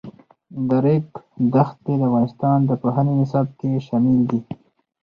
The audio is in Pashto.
د ریګ دښتې د افغانستان د پوهنې نصاب کې شامل دي.